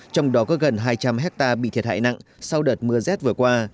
trong đó có gần hai trăm linh hectare bị thiệt hại nặng sau đợt mưa rét vừa qua